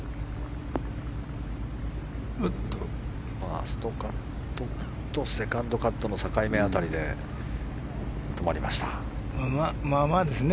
ファーストカットとセカンドカットの境目辺りでまあまあですね。